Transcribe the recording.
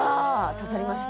刺さりました？